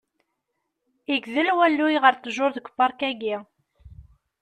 Igdel walluy ɣer ttjuṛ deg upark-ayi.